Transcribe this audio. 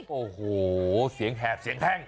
โอ้โหเสียงแหบเสียงแห้ง